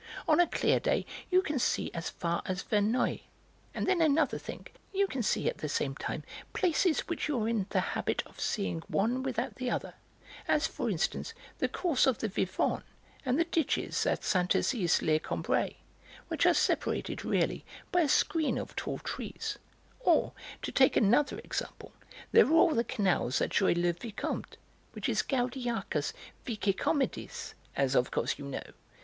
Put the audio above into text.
On a clear day you can see as far as Verneuil. And then another thing; you can see at the same time places which you are in the habit of seeing one without the other, as, for instance, the course of the Vivonne and the ditches at Saint Assise lès Combray, which are separated, really, by a screen of tall trees; or, to take another example, there are all the canals at Jouy le Vicomte, which is Gaudiacus vicecomitis, as of course you know.